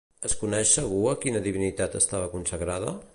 Es coneix segur a quina divinitat estava consagrada?